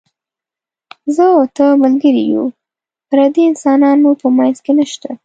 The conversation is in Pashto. زه او ته ملګري یو، پردي انسانان مو په منځ کې نشته.